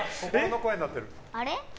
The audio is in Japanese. あれ？